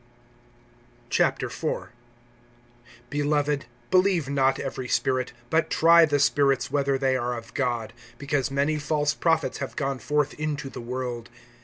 IV. BELOVED, believe not every spirit, but try the spirits whether they are of God; because many false prophets have gone forth into the world.